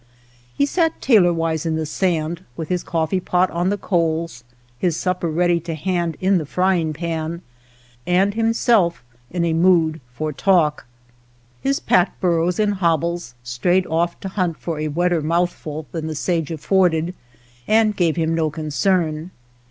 He sat tailorwise in the sand, with his coffee pot on the coals, his supper ready to hand in the frying pan, and himself in a mood for talk. His pack burros in hobbles strayed off to hunt for a wetter mouthful 63 THE POCKET HUNTER than the sage afforded, and gave him no concern.